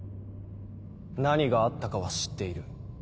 何があったかは知っている。